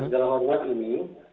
dalam kemuliaan ini